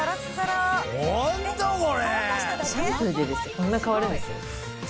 こんな変わるんですよ。